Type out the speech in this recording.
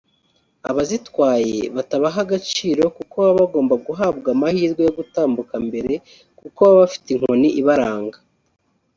abazitwaye batabaha agaciro kuko baba bagomba guhabwa amahirwe yo gutambuka mbere kuko baba bafite inkoni ibaranga